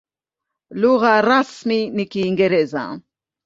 Lugha rasmi ni Kiingereza.